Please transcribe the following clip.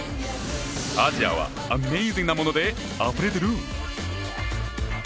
アジアはアメージングなものであふれてる！